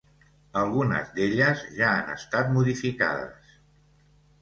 Algunes d'elles ja han estat modificades.